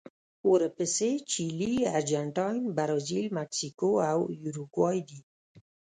ورپسې چیلي، ارجنټاین، برازیل، مکسیکو او یوروګوای دي.